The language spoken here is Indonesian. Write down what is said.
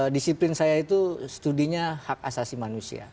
disiplin saya itu studinya hak asasi manusia